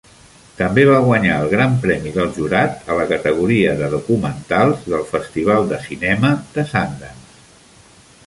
També va guanyar el Gran Premi del Jurat a la categoria de documentals del Festival de Cinema de Sundance.